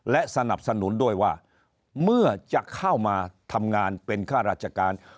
และสนับสนุนด้วยว่าเมื่อจะเข้ามาทำงานเป็นข้าราชการ